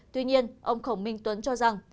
tuy nhiên ông khổng minh tuấn cho rằng